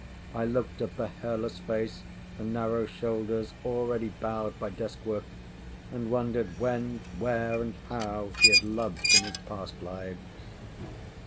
I looked at the hairless face, the narrow shoulders already bowed by desk work, and wondered when, where, and how he had loved in his past lives.